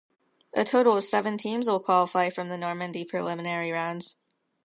A total of seven teams will qualify from the Normandy preliminary rounds.